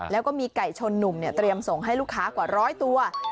แล้วก็มีไก่ชนหนุ่มเตรียมส่งให้ลูกค้ากว่าร้อยตัว